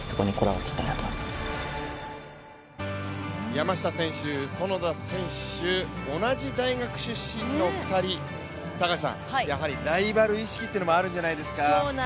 山下選手、其田選手同じ大学出身の２人、やはりライバル意識というのもあるんじゃないですか？